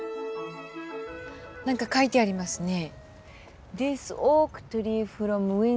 何か書いてありますね。